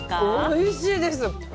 おいしいです。